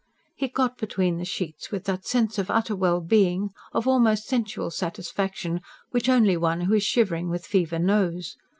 He got between the sheets with that sense of utter well being, of almost sensual satisfaction, which only one who is shivering with fever knows.